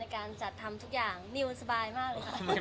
การจัดทำทุกอย่างนิวสบายมากเลยค่ะ